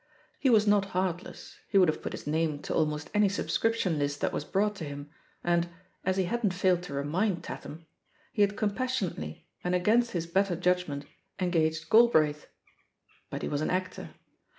He was not heartless, he would have put his name to almost any sub scription list that was brought to him, and — as he hadn't failed to remind Tatham — ^he had com passionately, and against his better judgment, engaged Galbraith. But he was an actor.